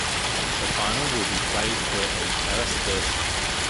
The final will be played the in Paris-Bercy.